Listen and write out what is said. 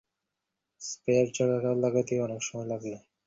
Spare চাকা লাগাতেও অনেক সময় লাগল।